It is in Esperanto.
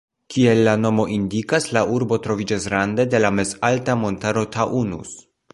Kiel la nomo indikas, la urbo troviĝas rande de la mezalta montaro Taunus.